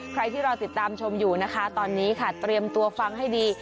ใครที่รอติดตามชมอยู่นะคะตอนนี้ค่ะเตรียมตัวฟังให้ดี